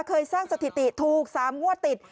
เคยสร้างสถิติถูก๓งวดติด